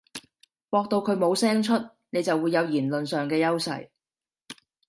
駁到佢冇聲出，你就會有言論上嘅優勢